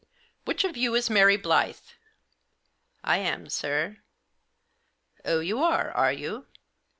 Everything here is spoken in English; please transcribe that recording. " Which of you is Mary Blyth ?"" I am, sir." " Oh, you are, are you